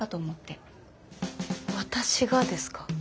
私がですか？